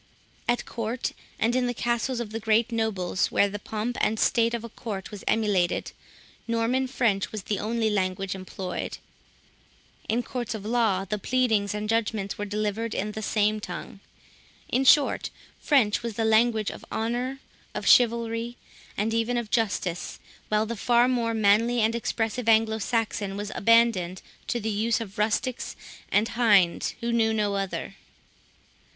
At court, and in the castles of the great nobles, where the pomp and state of a court was emulated, Norman French was the only language employed; in courts of law, the pleadings and judgments were delivered in the same tongue. In short, French was the language of honour, of chivalry, and even of justice, while the far more manly and expressive Anglo Saxon was abandoned to the use of rustics and hinds, who knew no other.